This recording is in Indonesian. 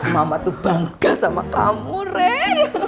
mama tuh bangga sama kamu rek